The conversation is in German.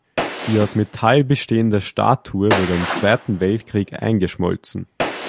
Die aus Metall bestehende Statue wurde im Zweiten Weltkrieg eingeschmolzen.